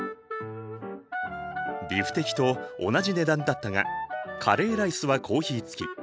ビフテキと同じ値段だったがカレーライスはコーヒー付き。